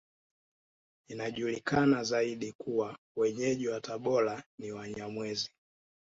Inajulikana zaidi kuwa Wenyeji wa Tabora ni Wanyamwezi